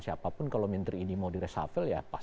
siapapun kalau menteri ini mau diresafel ya pas